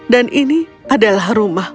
dan ini adalah rumah